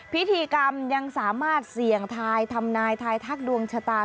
พิธีกรรมยังสามารถเสี่ยงทายทำนายทายทักดวงชะตา